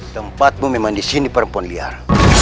tempatmu memang disini perempuan liar